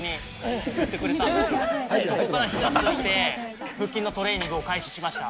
そこから火がついて、腹筋のトレーニングを開始しました。